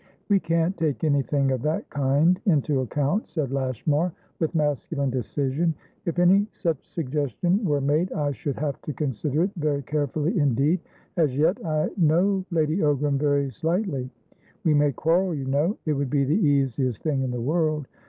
"We can't take anything of that kind into account," said Lashmar, with masculine decision. "If any such suggestion were made, I should have to consider it very carefully indeed. As yet I know Lady Ogram very slightly. We may quarrel, you know; it would be the easiest thing in the world.